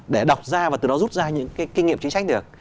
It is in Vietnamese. để đọc ra và từ đó rút ra những cái kinh nghiệm chính sách được